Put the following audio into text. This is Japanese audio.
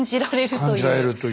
感じられるという。